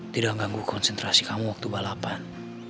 tidak mengganggu konsentrasi kamu waktu balapan